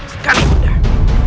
sekali ibu ndaku